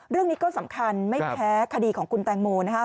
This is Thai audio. เรื่องนี้ก็สำคัญไม่แพ้คดีของคุณแตงโมนะคะ